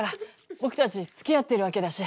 僕たちつきあってるわけだし。